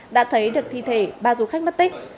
đã thấy được thi thể ba du khách mất tích